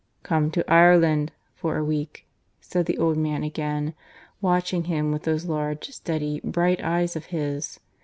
"Come to Ireland for a week," said the old man again, watching him with those large, steady, bright eyes of his.